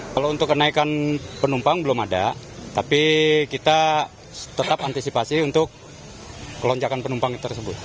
kalau untuk kenaikan penumpang belum ada tapi kita tetap antisipasi untuk kelonjakan penumpang tersebut